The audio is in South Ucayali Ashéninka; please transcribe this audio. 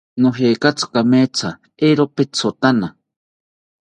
Nojekatzi kametha, eero petkotana